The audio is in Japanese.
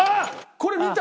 これ見た！